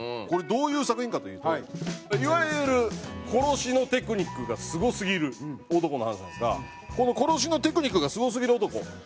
これどういう作品かというといわゆる殺しのテクニックがすごすぎる男の話なんですがこの殺しのテクニックがすごすぎる男